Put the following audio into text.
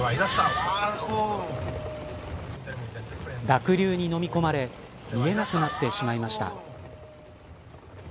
濁流にのみ込まれ見えなくなってしまいました。